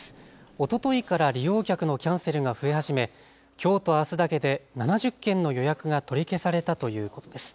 おとといから利用客のキャンセルが増え始めきょうとあすだけで７０件の予約が取り消されたということです。